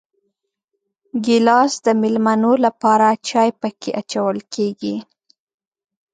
ګیلاس د مېلمنو لپاره چای پکې اچول کېږي.